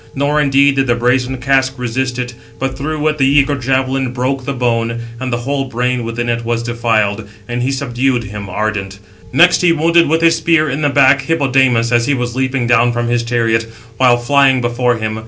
Nor indeed did the brazen casque resist it, but through it the eager javelin broke the bone, and the whole brain within was defiled; and he subdued him, ardent. Next he wounded with his spear in the back, Hippodamas, as he was leaping down from his chariot, while flying before him.